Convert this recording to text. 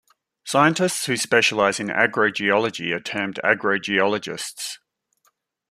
Scientists who specialize in agrogeology are termed agrogeologists.